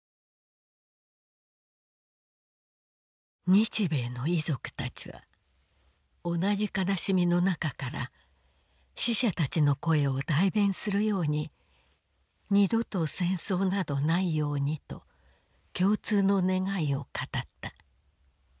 「日米の遺族たちは同じ悲しみのなかから死者たちの声を代弁するように『二度と戦争などないように』と共通の願いを語った。